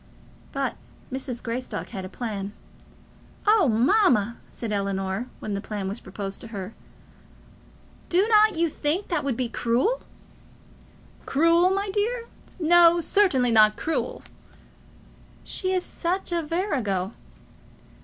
But Mrs. Greystock had a plan. "Oh, mamma," said Ellinor, when the plan was proposed to her, "do not you think that would be cruel?" "Cruel, my dear! no; certainly not cruel." "She is such a virago."